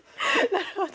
なるほど。